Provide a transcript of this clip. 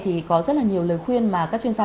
thì có rất là nhiều lời khuyên mà các chuyên gia